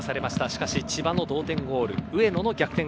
しかし千葉の同点ゴール上野の逆転